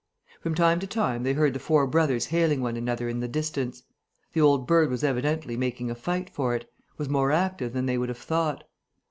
From time to time, they heard the four brothers hailing one another in the distance. The old bird was evidently making a fight for it, was more active than they would have thought.